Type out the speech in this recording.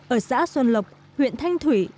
ở xã xuân lộc huyện thanh thủy